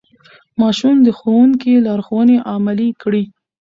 ماشوم د ښوونکي لارښوونې عملي کړې